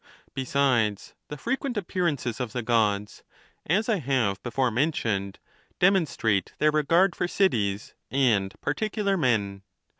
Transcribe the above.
Besides, the frequent appearances of the Gods, as I have before mentioned, de monstrate their regard for cities and particular men.